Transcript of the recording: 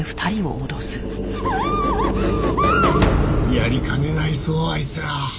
やりかねないぞあいつら。